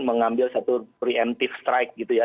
mengambil satu pre emptive strike gitu ya